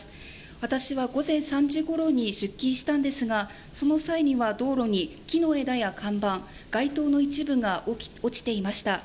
私は午前３時ごろに出勤したんですがその際には道路に木の枝や看板街灯の一部が落ちていました。